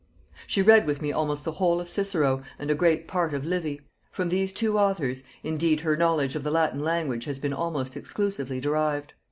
"She read with me almost the whole of Cicero, and a great part of Livy: from these two authors, indeed, her knowledge of the Latin language has been almost exclusively derived.